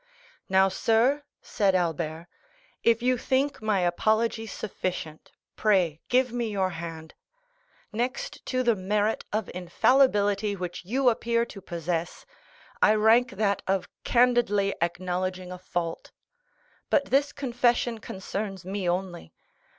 "Now, sir," said Albert, "if you think my apology sufficient, pray give me your hand. Next to the merit of infallibility which you appear to possess, I rank that of candidly acknowledging a fault. But this confession concerns me only.